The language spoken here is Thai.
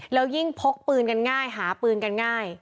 แล้วยิ่งพกปืนกันง่ายหาปืนกันง่าย